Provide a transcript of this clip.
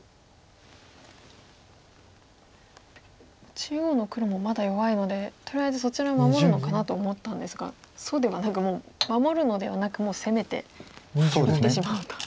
中央の黒もまだ弱いのでとりあえずそちら守るのかなと思ったんですがそうではなくもう守るのではなくもう攻めて打ってしまおうと。